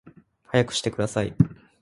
速くしてください